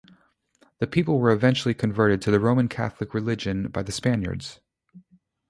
The people were eventually converted to the Roman Catholic religion by the Spaniards.